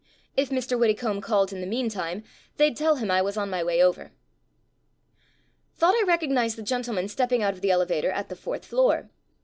If Mr. Widde combe called in the meantime they'd tell him I was on my way over. Thought I recognized the gentleman stepping out of the elevator at the fourth floor.